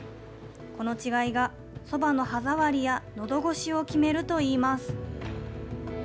この違いが、そばの歯触りやのどごしを決めるといいます。